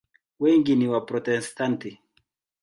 Wengi ni Waprotestanti.